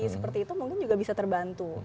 seperti itu mungkin juga bisa terbantu